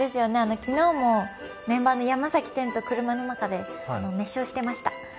昨日もメンバーの山崎と車の中で熱唱してました。